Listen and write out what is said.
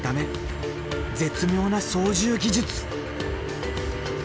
絶妙な操縦技術！